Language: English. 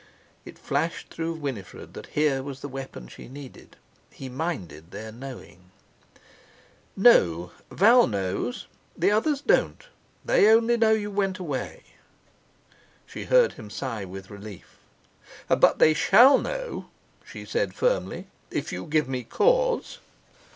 It flashed through Winifred that here was the weapon she needed. He minded their knowing! "No. Val knows. The others don't; they only know you went away." She heard him sigh with relief. "But they shall know," she said firmly, "if you give me cause."